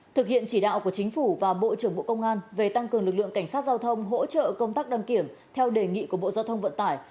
thực hiện chỉ đạo của chính phủ và bộ trưởng bộ công an về tăng cường lực lượng cảnh sát giao thông hỗ trợ công tác đăng kiểm theo đề nghị của bộ giao thông vận tải